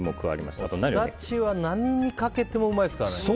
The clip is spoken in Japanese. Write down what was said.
スダチは何にかけてもうまいですからね。